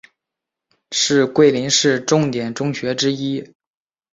是桂林市重点中学之一。